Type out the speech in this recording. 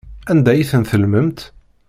Anda ay ten-tellmemt?